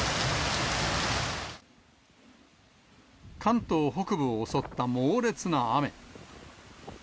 関東北部を襲った猛烈な雨。